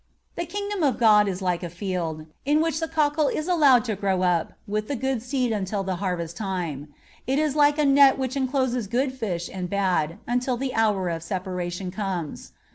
The kingdom of God is like a field in which the cockle is allowed to grow up with the good seed until the harvest time;(46) it is like a net which encloses good fish and bad until the hour of separation comes.